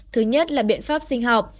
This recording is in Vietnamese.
thứ nhất là biện pháp sinh học